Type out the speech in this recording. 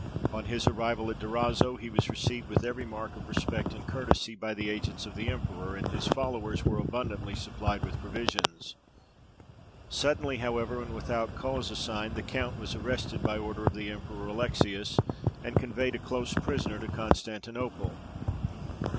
On his arrival at Durazzo he was received with every mark of respect and courtesy by the agents of the emperor, and his followers were abundantly supplied with provisions. Suddenly, however, and without cause assigned, the count was arrested by order of the Emperor Alexius, and conveyed a close prisoner to Constantinople.